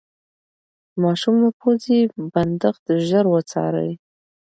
د ماشوم د پوزې بندښت ژر وڅارئ.